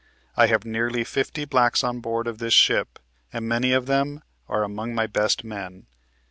I have nearly fifty blacks on board of this ship, and many of them are among my best men."